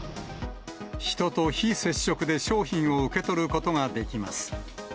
人と非接触で商品を受け取ることができます。